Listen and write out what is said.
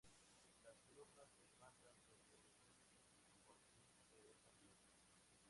Las columnas se levantan sobre un compartimiento de esa flor.